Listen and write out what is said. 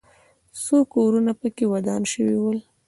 څو کورونه پکې ودان شوي ول.